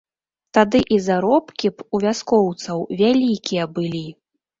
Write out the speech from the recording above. Тады і заробкі б у вяскоўцаў вялікія былі.